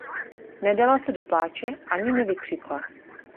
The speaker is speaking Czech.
Nedala se do pláče, ani nevykřikla.